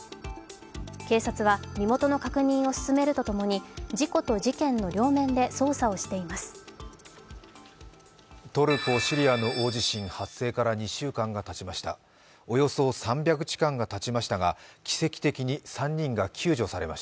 警察は身元の確認を進めるとともに事故と事件の両面で捜査をしています。